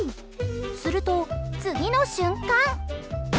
すると、次の瞬間。